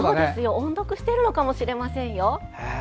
音読してるのかもしれませんよ。